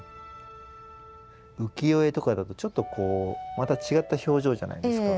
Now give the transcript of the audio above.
浮世絵とかだとちょっとこうまた違った表情じゃないですか。